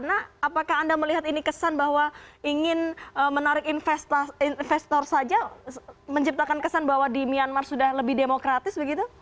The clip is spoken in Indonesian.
apakah anda melihat ini kesan bahwa ingin menarik investor saja menciptakan kesan bahwa di myanmar sudah lebih demokratis begitu